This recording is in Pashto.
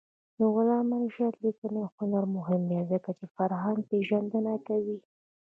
د علامه رشاد لیکنی هنر مهم دی ځکه چې فرهنګپېژندنه کوي.